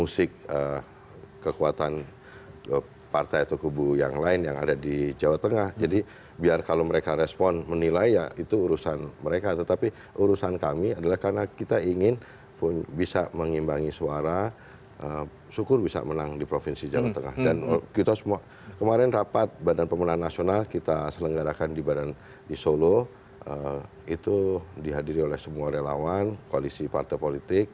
sebelumnya prabowo subianto